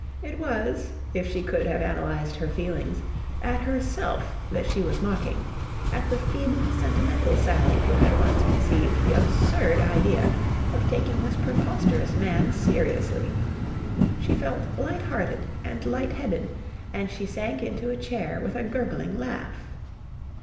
It was, if she could have analysed her feelings, at herself that she was mocking at the feeble sentimental Sally who had once conceived the absurd idea of taking this preposterous man seriously. She felt light hearted and light headed, and she sank into a chair with a gurgling laugh.